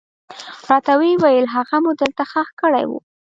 راته ويې ويل هغه مو دلته ښخ کړى و.